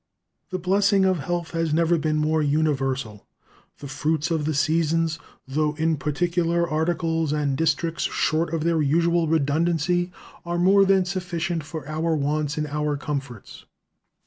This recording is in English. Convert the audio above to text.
The blessing of health has never been more universal. The fruits of the seasons, though in particular articles and districts short of their usual redundancy, are more than sufficient for our wants and our comforts.